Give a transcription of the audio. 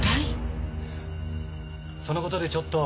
そのことでちょっと。